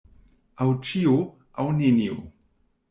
Aŭ ĉio, aŭ nenio.